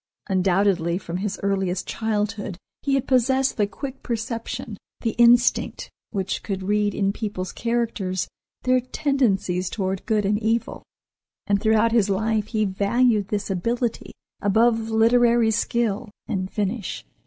Undoubtedly from his earliest childhood he had possessed the quick perception, the instinct, which could read in people's characters their tendencies toward good and evil, and throughout his life he valued this ability above literary skill and finish.